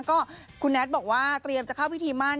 ก็คุณแน็ตบอกว่าเตรียมจะเข้าพิธีมั่น